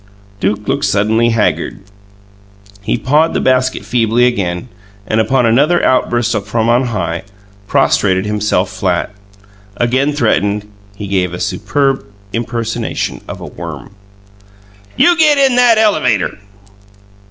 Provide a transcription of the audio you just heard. Duke looked suddenly haggard. He pawed the basket feebly again and, upon another outburst from on high, prostrated himself flat. Again threatened, he gave a superb impersonation of a worm. "You get in that el e VAY ter!"